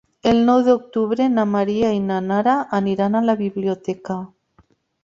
El nou d'octubre na Maria i na Nara aniran a la biblioteca.